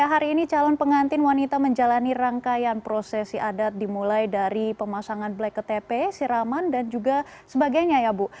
hari ini calon pengantin wanita menjalani rangkaian prosesi adat dimulai dari pemasangan black ke tp siraman dan juga sebagainya ya bu